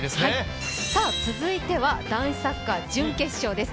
続いては男子サッカー準決勝です。